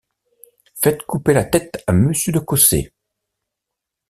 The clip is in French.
Faites couper la tête à monsieur de Cossé.